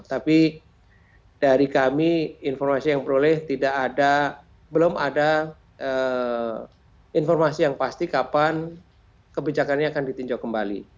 tapi dari kami informasi yang peroleh belum ada informasi yang pasti kapan kebijakannya akan ditinjau kembali